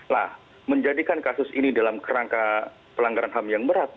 lah menjadikan kasus ini dalam kerangka pelanggaran ham yang berat